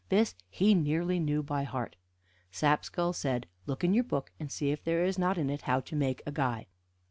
This he nearly knew by heart. Sapskull said: "Look in your book and see if there is not in it how to make a guy."